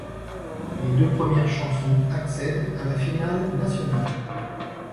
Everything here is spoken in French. Les deux premières chansons accèdent à la finale nationale.